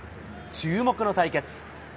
注目の対決。